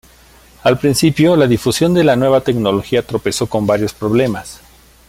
Al principio, la difusión de la nueva tecnología tropezó con varios problemas.